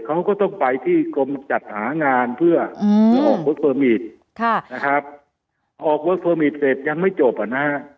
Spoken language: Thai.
เขาก็ต้องไปที่กรมจัดหางานเพื่ออืมออกเวิร์กเฟอร์มิตรค่ะนะครับ